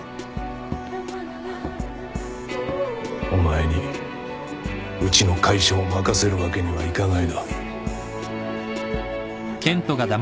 お前にうちの会社を任せるわけにはいかないな。